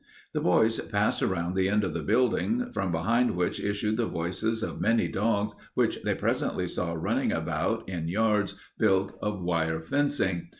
The boys passed around the end of the building, from behind which issued the voices of many dogs which they presently saw running about in yards built of wire fencing.